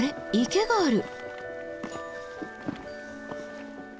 池がある。